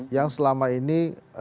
yang selama ini